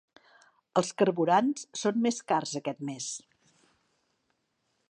Els carburants són més cars aquest mes.